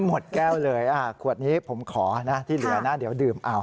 หมดแก้วเลยขวดนี้ผมขอนะที่เหลือนะเดี๋ยวดื่มเอา